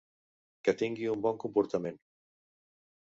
Que tingui un bon comportament.